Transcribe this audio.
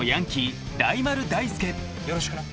よろしくな。